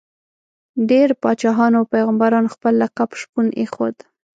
ډېری پاچاهانو او پيغمبرانو خپل لقب شپون ایښود.